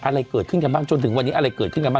อะไรเกิดขึ้นกันบ้างจนถึงวันนี้อะไรเกิดขึ้นกันบ้าง